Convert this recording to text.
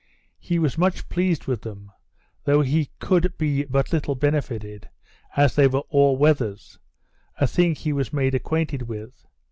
He was much pleased with them; though he could be but little benefited, as they were all weathers; a thing he was made acquainted with.